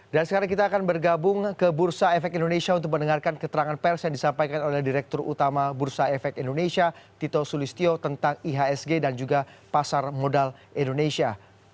dan sekarang kita akan bergabung ke bursa efek indonesia untuk mendengarkan keterangan pers yang disampaikan oleh direktur utama bursa efek indonesia tito sulistyo tentang ihsg dan juga pasar modal indonesia